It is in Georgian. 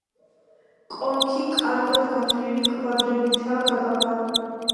კონქი კარგად გათლილი კვადრებითაა გადაყვანილი.